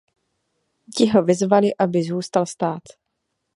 Ti ho vyzvali aby zůstal stát.